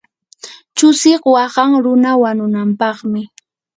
chusiq waqan runa wanunampaqmi.